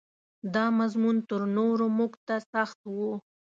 دا مضمون تر نورو موږ ته سخت و.